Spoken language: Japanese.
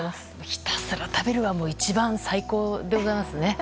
ひたすら食べるは最高でございますね！